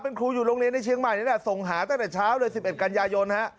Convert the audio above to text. เป็นครูอยู่โรงเรียนในเชียงใหม่นี่แหละส่งหาตั้งแต่เช้าเลย๑๑กันยายนฮะ